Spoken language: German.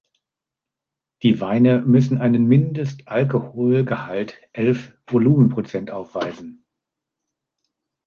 Die Weine müssen einen Mindestalkoholgehalt elf Volumenprozent aufweisen.